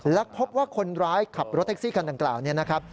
และพบว่าคนร้ายขับรถแท็กซี่คันดังกล่าวนี้นะครับ